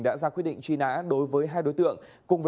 đã ra quyết định truy nã đối với hai đối tượng